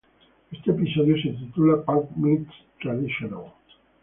Este episodio se titula ""Punk Meets Traditional"".